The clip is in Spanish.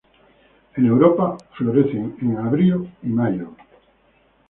En Europa florecen en abril y mayo.